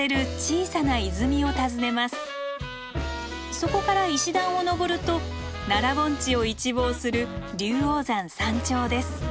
そこから石段を登ると奈良盆地を一望する龍王山山頂です。